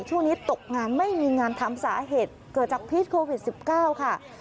ช่วงนี้ตกงานไม่มีงานทำสาเหตุเกิดจากพิษโควิด๑๙ค่ะ